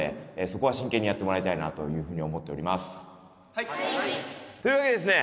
はい！というわけでですね